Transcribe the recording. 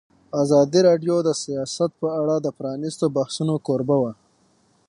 ازادي راډیو د سیاست په اړه د پرانیستو بحثونو کوربه وه.